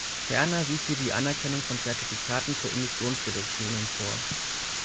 Ferner sieht sie die Anerkennung von Zertifikaten für Emissionsreduktionen vor.